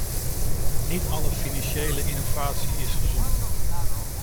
Niet alle financiële innovatie is gezond.